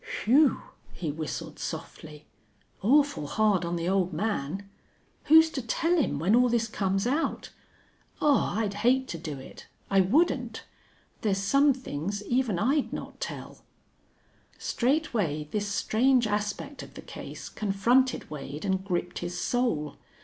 "Whew!" he whistled softly. "Awful hard on the old man! Who's to tell him when all this comes out? Aw, I'd hate to do it. I wouldn't. There's some things even I'd not tell." Straightway this strange aspect of the case confronted Wade and gripped his soul.